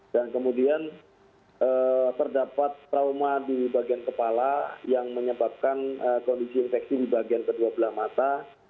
dan kemudian terdapat trauma di bagian kepala yang menyebabkan kondisi infeksi di bagian kedua belah mata